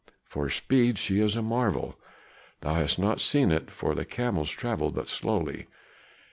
For speed she is a marvel; thou hast not seen it, for the camels travel but slowly."